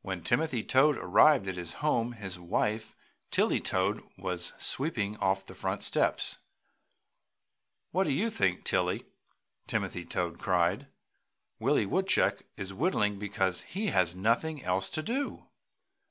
When Timothy Toad arrived at his home his wife, Tilly Toad, was sweeping off the front steps. "What do you think, Tilly?" Timothy Toad cried, "Willie Woodchuck is, whittling because he has nothing else to do!"